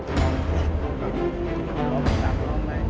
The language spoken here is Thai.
ยากที่ใครจะตามทัน